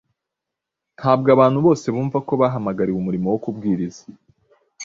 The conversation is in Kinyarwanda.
Ntabwo abantu bose bumva ko bahamagariwe umurimo wo kubwiriza